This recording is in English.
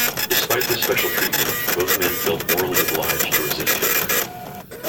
Despite this special treatment, both men felt morally obliged to resist Hitler.